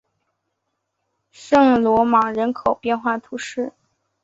圣罗芒人口变化图示